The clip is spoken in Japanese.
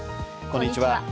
こんにちは。